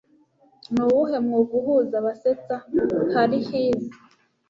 Nuwuhe mwuga uhuza abasetsa Harry Hill